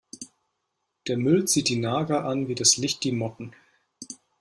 Der Müll zieht die Nager an wie das Licht die Motten.